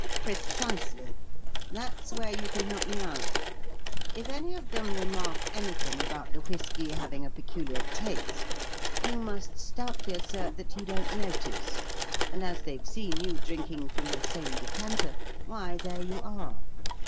"Precisely. That's where you can help me out. If any of them remark anything about the whiskey having a peculiar taste, you must stoutly assert that you don't notice; and, as they've seen you drinking from the same decanter why, there you are.